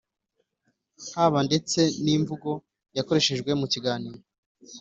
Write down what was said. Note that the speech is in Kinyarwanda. haba ndetse n'imvugo yakoreshejwe mu kiganiro,